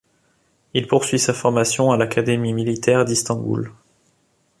Il poursuit sa formation à l'académie militaire d'Istanbul.